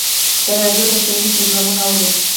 د راډیو د کرنې پروګرامونه اورئ؟